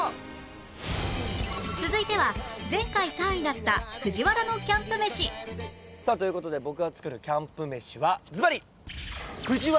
続いては前回３位だった藤原のキャンプ飯さあという事で僕が作るキャンプ飯はずばり。